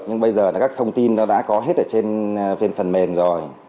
nhưng bây giờ các thông tin đã có hết trên phần mềm rồi